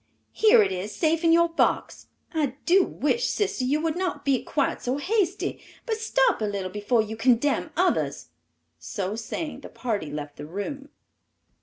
Here it is, safe in your box. I do wish, sister, you would not be quite so hasty, but stop a little before you condemn others." So saying, the party left the room.